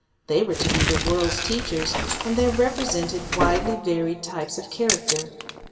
They were to be the world's teachers, and they represented widely varied types of character.